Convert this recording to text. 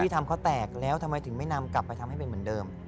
ทำเขาแตกแล้วทำไมถึงไม่นำกลับไปทำให้เป็นเหมือนเดิม